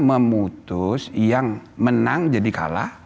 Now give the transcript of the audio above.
memutus yang menang jadi kalah